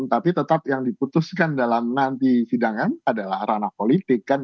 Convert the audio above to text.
tapi tetap yang diputuskan dalam nanti sidangan adalah ranah politik kan